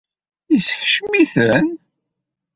Yeskcem-iten?